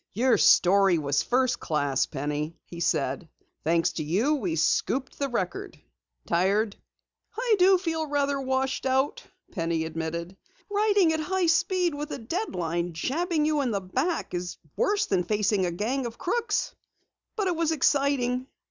"Your story was first class, Penny," he said. "Thanks to you we scooped the Record. Tired?" "I do feel rather washed out," Penny admitted. "Writing at high speed with a deadline jabbing you in the back is worse than facing a gang of crooks. But it was exciting."